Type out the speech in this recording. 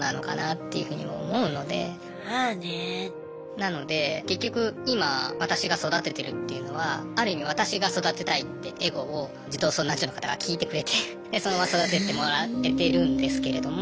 なので結局今私が育ててるっていうのはある意味私が育てたいってエゴを児童相談所の方が聞いてくれてでそのまま育ててもらえてるんですけれども。